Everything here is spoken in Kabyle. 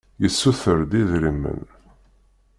Yessuter-d idrimen.